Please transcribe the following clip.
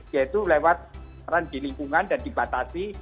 yaitu lewat peran di lingkungan dan dibatasi